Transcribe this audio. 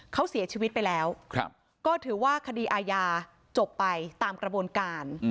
เขาเสียชีวิตไปแล้วก็ถือว่าคดีอาญาจบไปตามกระบวนการ